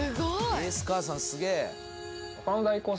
「エース母さんすげえ」